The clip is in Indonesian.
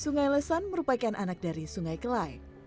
sungai lesan merupakan anak dari sungai kelai